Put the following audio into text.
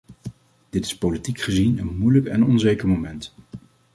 Dit is politiek gezien een moeilijk en onzeker moment.